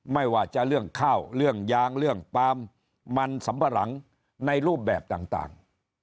ไม่ว่าจะเรื่องข้าวเรื่องยางเรื่องปาล์มมันสัมปะหลังในรูปแบบต่าง